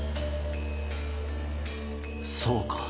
そうか。